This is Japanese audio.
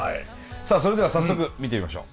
さあそれでは早速見てみましょう！